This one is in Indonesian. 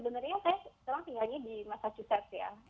jadi sebenarnya saya sekarang tinggalnya di massachusetts ya